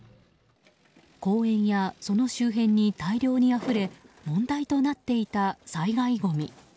公園やその周辺に大量にあふれ問題となっていた災害ごみ。